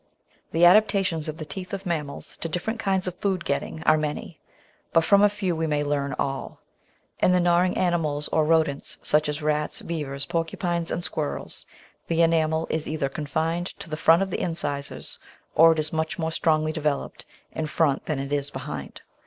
The adaptations of the teeth of mammals to different kinds of food getting are many ; but from a few we may learn all. In the gnawing mammals or rodents, such as rats, beavers, porcu pines, and squirrels, the enamel is either confined to the front of the incisors, or it is much more strongly developed in front than it is behind.